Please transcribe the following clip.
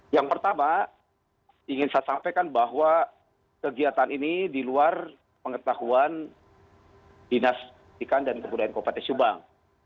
yang pertama ingin saya sampaikan bahwa kegiatan ini di luar pengetahuan dinas pendidikan dan kebudayaan kabupaten subang